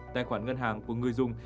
tài khoản ngân hàng của người dùng